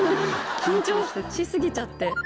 緊張し過ぎちゃって。